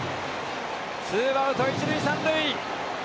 ツーアウト１塁３塁！